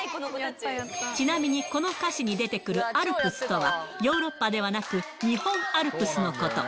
ちなみに、この歌詞に出てくるアルプスとは、ヨーロッパではなく、日本アルプスのこと。